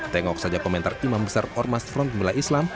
tengok saja komentar imam besar ormast front pemilih islam